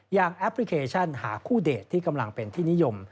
แอปพลิเคชันหาคู่เดทที่กำลังเป็นที่นิยม